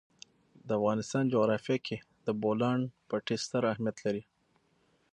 د افغانستان جغرافیه کې د بولان پټي ستر اهمیت لري.